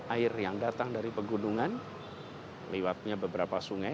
air yang datang dari pegunungan lewatnya beberapa sungai